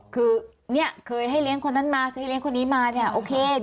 คือเนี่ยเคยให้เลี้ยงคนนั้นมาเคยเลี้ยคนนี้มาเนี่ยโอเค